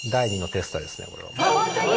本当に？